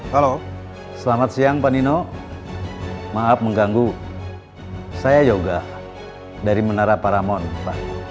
halo selamat siang pak nino maaf mengganggu saya yoga dari menara paramon pak